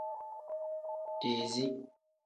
Dezii.